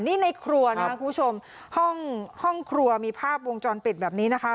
นี่ในครัวนะครับคุณผู้ชมห้องห้องครัวมีภาพวงจรปิดแบบนี้นะคะ